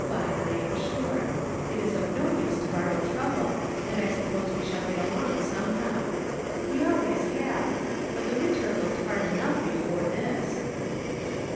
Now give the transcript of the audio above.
Vine, I am sure ; it is of no use to borrow trouble, and I suppose we shall get along somehow ; we always have, but the winter looked hard enough before this.